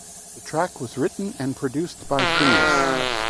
The track was written and produced by Finneas.